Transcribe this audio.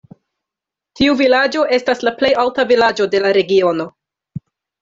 Tiu vilaĝo estas la plej alta vilaĝo de la regiono.